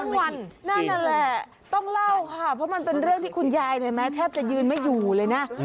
นั่นแหละต้องเล่าค่ะเพราะมันเป็นเรื่องที่คุณยายเนี่ยแม้แทบจะยืนไม่อยู่เลยนะ